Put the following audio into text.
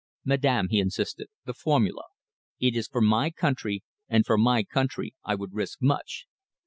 "Madam," he insisted, "the formula. It is for my country, and for my country I would risk much."